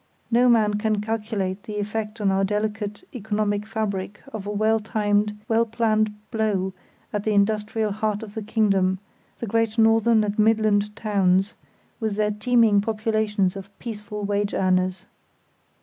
No man can calculate the effect on our delicate economic fabric of a well timed, well planned blow at the industrial heart of the kingdom, the great northern and midland towns, with their teeming populations of peaceful wage earners.